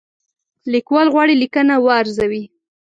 لیکوال غواړي لیکنه وارزوي.